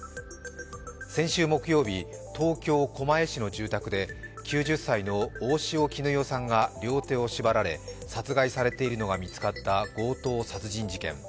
先週木曜日、東京・狛江市の住宅で９０歳の大塩衣与さんが両手を縛られ殺害されているのが見つかった強盗殺人事件。